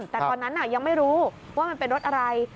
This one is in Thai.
แต่ตอนนั้นยังไม่รู้ว่ามันเป็นรถอะไร